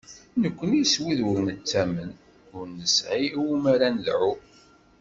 Nekni s wid ur nettamen, ur nesɛi iwumi ara nedɛu.